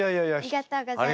ありがとうございます。